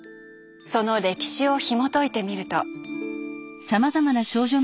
その歴史をひもといてみると。